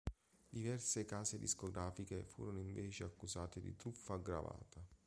Diverse case discografiche furono invece accusate di truffa aggravata.